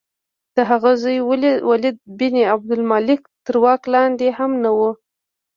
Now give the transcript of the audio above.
د هغه د زوی ولید بن عبدالملک تر واک لاندې هم نه وه.